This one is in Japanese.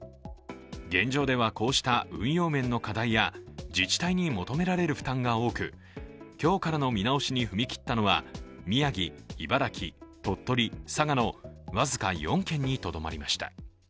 現状では、こうした運用面の課題や自治体に求められる負担が多く、今日からの見直しに踏み切ったのは宮城、茨城、鳥取、佐賀の僅か４県にとどまりました。